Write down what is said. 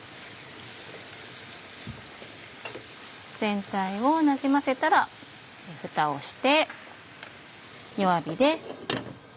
全体をなじませたらふたをして。